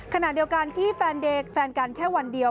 ขณะเดียวกันที่แฟนเด็กแฟนกันแค่วันเดียว